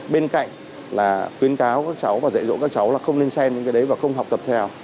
bên cạnh là khuyến cáo các cháu và dạy dỗ các cháu là không nên xem những cái đấy và không học tập theo